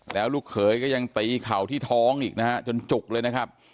แล้วลูกเขยก็ยังตีเข่าที่ท้องอีกนะฮะจนจุกเลยนะครับ